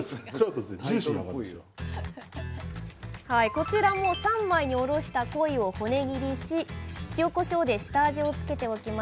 こちらも三枚におろしたコイを骨切りし塩こしょうで下味をつけておきます。